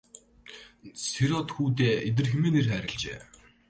Сэр-Од хүүдээ Идэр хэмээн нэр хайрлажээ.